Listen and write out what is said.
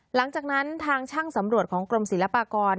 หลังจากนั้นทางช่างสำรวจของกรมศิลปากร